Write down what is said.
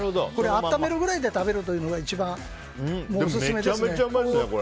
温めるくらいで食べるのが一番オススメですね。